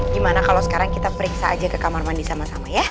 gimana kalau sekarang kita periksa aja ke kamar mandi sama sama ya